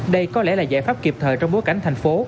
đây có lẽ là giải pháp kịp thời trong bối cảnh thành phố